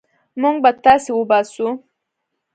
موږ به تاسي وباسو.